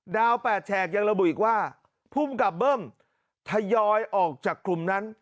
๘แฉกยังระบุอีกว่าภูมิกับเบิ้มทยอยออกจากกลุ่มนั้น